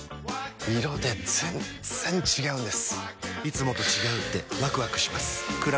色で全然違うんです！